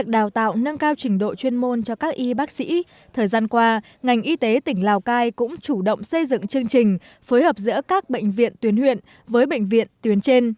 đào tạo nâng cao trình độ chuyên môn cho đội ngũ y bác sĩ từng bước làm chủ các kỹ thuật khó